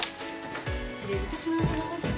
失礼いたします。